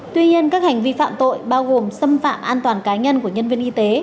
tuy nhiên các hành vi phạm tội bao gồm xâm phạm an toàn cá nhân của nhân viên y tế